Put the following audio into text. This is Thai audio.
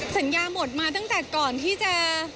สัญญาหมดมาตั้งแต่ก่อนที่จะ